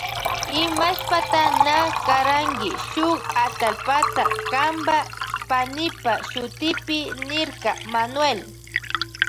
Imashpata na karanki shuk atallpata kanpa y panipa shutipi niyrka Manuel.